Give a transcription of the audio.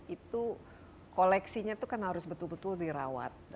itu koleksinya itu kan harus betul betul dirawat